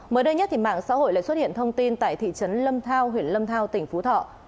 mới đây nhất mạng xã hội lại xuất hiện thông tin tại thị trấn lâm thao huyện lâm thao tỉnh phú thọ